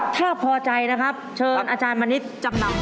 ถ้าพอใจนะครับเชิญอาจารย์มานิดจำนำครับ